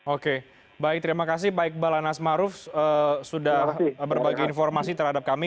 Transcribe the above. oke baik terima kasih pak iqbal anas maruf sudah berbagi informasi terhadap kami